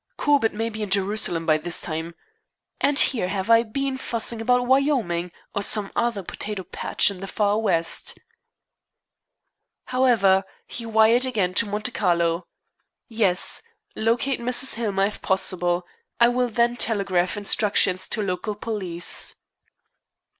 "Corbett may be in Jerusalem by this time. And here have I been fussing about Wyoming or some other potato patch in the Far West." However, he wired again to Monte Carlo: "Yes. Locate Mrs. Hillmer, if possible. I will then telegraph instructions to local police."